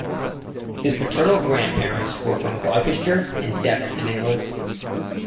His paternal grandparents were from Gloucestershire and Devon in England.